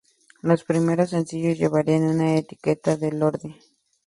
Los primeros sencillos llevarían una etiqueta de Lordi.